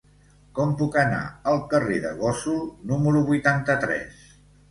Com puc anar al carrer de Gósol número vuitanta-tres?